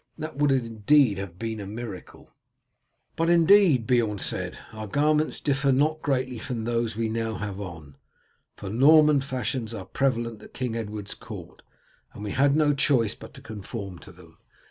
That would indeed have been a miracle." "But, indeed," Beorn said, "our garments differ not greatly from those we now have on, for Norman fashions are prevalent at King Edward's court, and we had no choice but to conform to them.